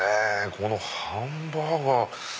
このハンバーガー。